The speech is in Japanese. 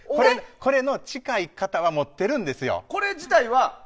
これの近い型は持ってるんですよ。